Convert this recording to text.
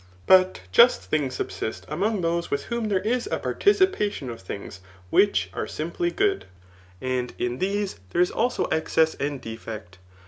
But just things subsist among those with whom there is a participation of things which are simply good ; and in these there is also excess and defect.